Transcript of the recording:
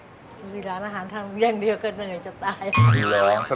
ร้านอาหารอย่างเดียวก็ยังไงจะตาย